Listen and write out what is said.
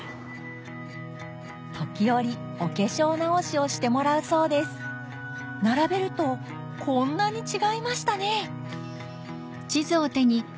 時折お化粧直しをしてもらうそうです並べるとこんなに違いましたねあっ。